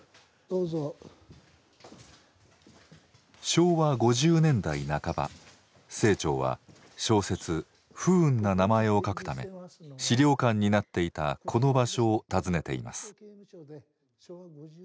昭和５０年代半ば清張は小説「不運な名前」を書くため資料館になっていたこの場所を訪ねています。